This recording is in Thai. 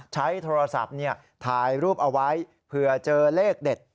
ใช้โทรศัพท์ถ่ายรูปเอาไว้เผื่อเจอเลขเด็ด